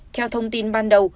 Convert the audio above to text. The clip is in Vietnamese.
theo thông tin ban đầu